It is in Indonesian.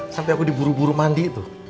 sampai aku diburu buru mandi tuh